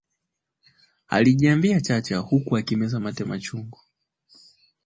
alijiambia Chacha huku akimeza mate machungu